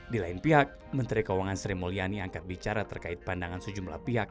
di lain pihak menteri keuangan sri mulyani angkat bicara terkait pandangan sejumlah pihak